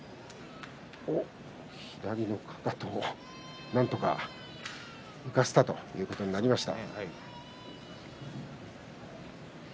左のかかとをなんとか浮かせたという形になりました。